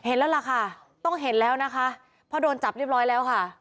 แล้วล่ะค่ะต้องเห็นแล้วนะคะเพราะโดนจับเรียบร้อยแล้วค่ะ